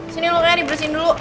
sini lu kayaknya dibersihin dulu